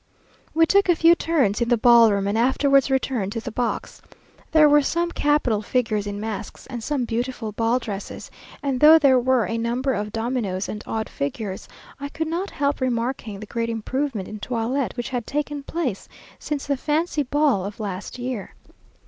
We took a few turns in the ball room, and afterwards returned to the box. There were some capital figures in masks, and some beautiful ball dresses, and though there were a number of dominoes and odd figures, I could not help remarking the great improvement in toilet which had taken place since the fancy ball of last year.